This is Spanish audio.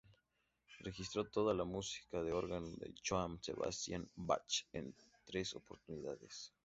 Registro toda la música de órgano de Johann Sebastian Bach en tres oportunidades.